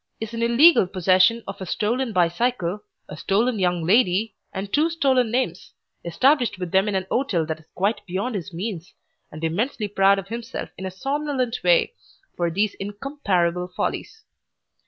is in illegal possession of a stolen bicycle, a stolen young lady, and two stolen names, established with them in an hotel that is quite beyond his means, and immensely proud of himself in a somnolent way for these incomparable follies.